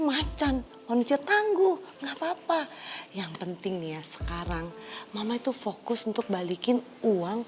macan manusia tangguh enggak apa apa yang penting ya sekarang mama itu fokus untuk balikin uang